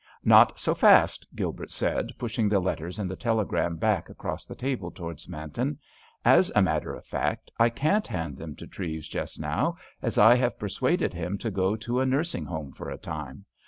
"Not so fast," Gilbert said, pushing the letters and the telegram back across the table towards Manton. "As a matter of fact, I can't hand them to Treves just now, as I have persuaded him to go to a nursing home for a time.